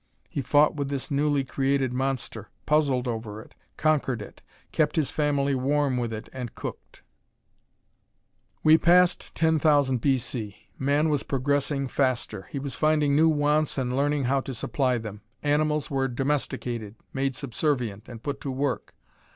He fought with this newly created monster; puzzled over it; conquered it; kept his family warm with it and cooked. We passed 10,000 B. C. Man was progressing faster. He was finding new wants and learning how to supply them. Animals were domesticated, made subservient and put to work.